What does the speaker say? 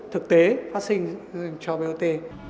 thực tế phát sinh cho bot